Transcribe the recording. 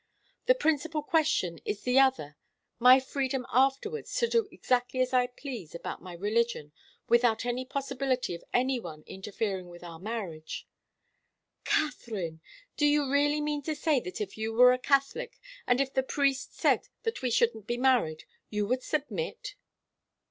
The principal question is the other my freedom afterwards to do exactly as I please about my religion without any possibility of any one interfering with our marriage." "Katharine! Do you really mean to say that if you were a Catholic, and if the priests said that we shouldn't be married, you would submit?"